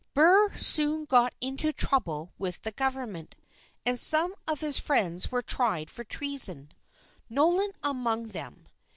Burr soon got into trouble with the government, and some of his friends were tried for treason, Nolan among them.